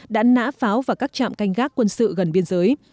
đã nã pháo vào các trạm canh gác quân sự gần biên giới